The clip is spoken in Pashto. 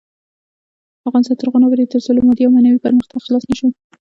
افغانستان تر هغو نه ابادیږي، ترڅو له مادي او معنوي پرمختګ خلاص نشو.